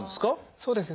そうですね。